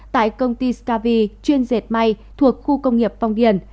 tại công ty scavi chuyên dệt may thuộc khu công nghiệp phong điền